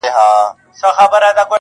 نور به د پېغلوټو د لونګ خبري نه کوو؛